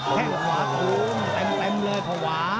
กดแคงแท็มเรนดุควะ